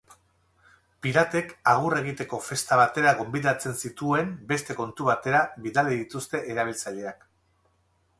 Piratek agurra egiteko festa batera gonbidatzen zituen beste kontu batera bidali dituzte erabiltzaileak.